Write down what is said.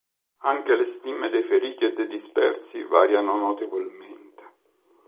Anche le stime dei feriti e dei dispersi variano notevolmente.